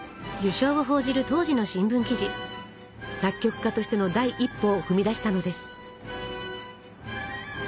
作曲家としての第一歩を踏み出したのです。